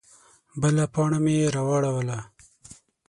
_بله پاڼه مې راواړوله.